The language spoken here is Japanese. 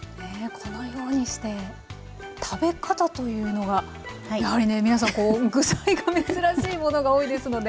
このようにして食べ方というのはやはりね皆さんこう具材が珍しいものが多いですので。